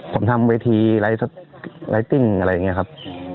ผมทำเวทีไลติ้งอะไรอย่างนี้ครับ